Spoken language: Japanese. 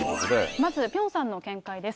まずピョンさんの見解です。